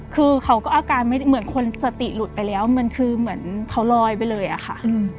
คือเขาก็อาการไม่เหมือนคนสติหลุดไปแล้วมันคือเหมือนเขาลอยไปเลยอะค่ะ